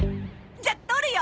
じゃ撮るよ！